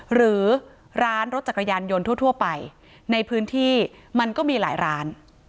หรือร้านรถจักรยานยนต์ทั่วไปในพื้นที่มันก็มีหลายร้าน